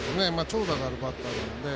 長打のあるバッターなので。